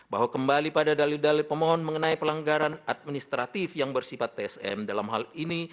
bahwa kembali pada dalil dalil pemohon mengenai pelanggaran administratif yang bersifat tsm dalam hal ini